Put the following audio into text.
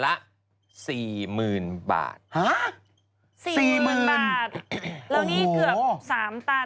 หา๔๐๐๐๐บาทแล้วนี่เกือบ๓ตัน